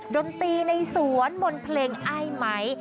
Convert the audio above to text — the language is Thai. ดนตรีในสวนบนเพลงไอไม้